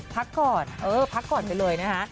พักก่อนเออพักก่อนไปเลยนะคะ